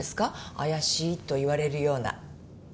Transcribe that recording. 怪しいと言われるような。